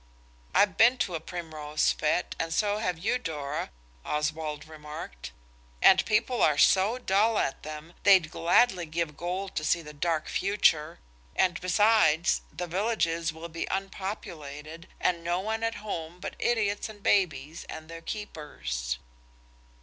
"I've been to a Primrose fête, and so have you, Dora," Oswald remarked, "and people are so dull at them, they'd gladly give gold to see the dark future. And, besides, the villages will be unpopulated, and no one at home but idiots and babies and their keepers."